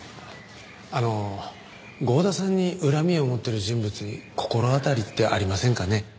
あの郷田さんに恨みを持ってる人物に心当たりってありませんかね？